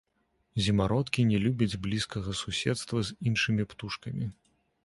Зімародкі не любяць блізкага суседства з іншымі птушкамі.